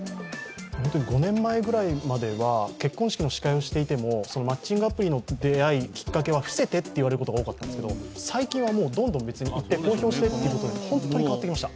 本当に５年前ぐらいは結婚式の司会をしていてもマッチングアプリの出会い、きっかけは伏せてと言われることが多かったんですけど、最近は言ってほしいと、本当に変わってきました。